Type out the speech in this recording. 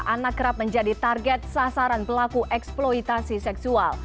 anak kerap menjadi target sasaran pelaku eksploitasi seksual